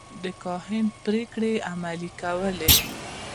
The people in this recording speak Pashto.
د کاهن پرېکړې عملي کولې.